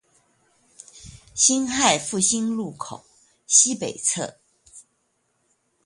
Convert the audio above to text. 辛亥復興路口西北側